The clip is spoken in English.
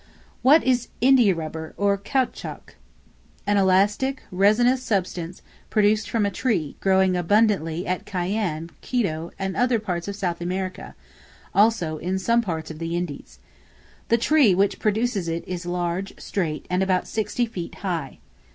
What is India Rubber or Caoutchouc? An elastic, resinous substance, produced from a tree, growing abundantly at Cayenne, Quito, and other parts of South America; and also in some parts of the Indies. The tree which produces it is large, straight, and about sixty feet high.